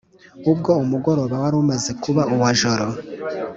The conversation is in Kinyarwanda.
ubwo umugoroba wari umaze kuba uwajoro